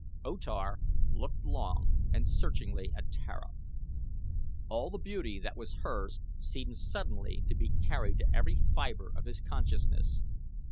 O Tar looked long and searchingly at Tara of Helium. All the beauty that was hers seemed suddenly to be carried to every fibre of his consciousness.